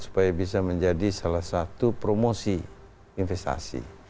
supaya bisa menjadi salah satu promosi investasi